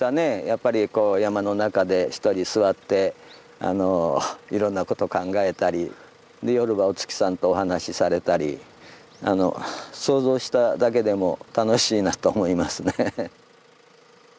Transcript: やっぱりこう山の中で一人坐っていろんなこと考えたり夜はお月さんとお話しされたり想像しただけでも楽しいなと思いますね。